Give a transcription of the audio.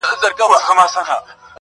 تر شهپر یې لاندي کړی سمه غر دی،